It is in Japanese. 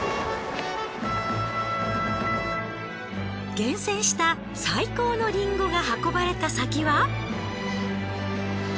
厳選した最高のリンゴが運ばれた先は。